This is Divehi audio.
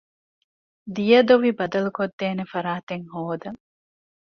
ދިޔަދޮވި ބަދަލުުކޮށްދޭނެ ފަރާތެއް ހޯދަން